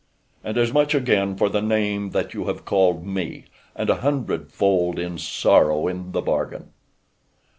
"And as much again for the name that you have called me and a hundred fold in sorrow in the bargain."